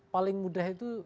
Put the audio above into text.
paling mudah itu